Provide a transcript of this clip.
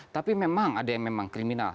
tapi memang ada yang memang kriminal